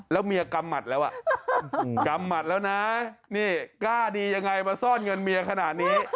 แล้วเมียกำหมัดแล้วนี่กล้าดียังไงมาซ่อนเงินเมียขนาดนี้